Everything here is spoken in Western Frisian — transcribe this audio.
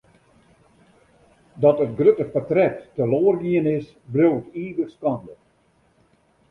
Dat it grutte portret teloar gien is, bliuwt ivich skande.